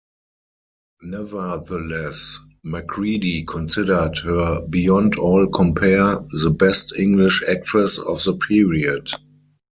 Nevertheless, Macready considered her "beyond all compare" the best English actress of the period.